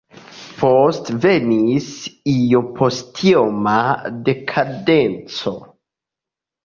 Poste venis iompostioma dekadenco.